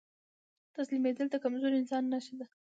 تسليمېدل د کمزوري انسان نښه ده.